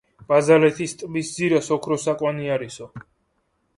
ბაზალეთის ტბის ძირას ოქროს აკვანი არისო